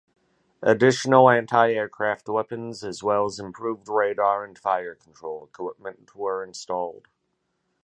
Additional anti-aircraft weapons as well as improved radar and fire control equipment were installed.